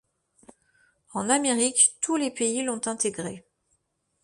En Amérique, tous les pays l'ont intégré.